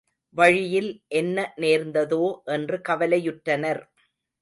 வழியில் என்ன நேர்ந்ததோ என்று கவலையுற்றனர்.